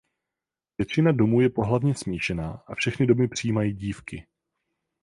Většina domů je pohlavně smíšená a všechny domy přijímají dívky.